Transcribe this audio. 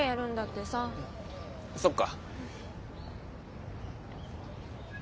そっか。